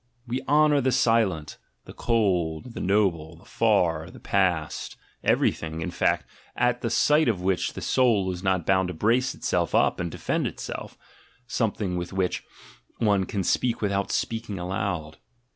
We honour the silent, the cold, the noble, the far, the past, everything, in fact, at the sight of which the soul is not bound to brace itself up and defend itself — something with which one can speak without speaking aloud.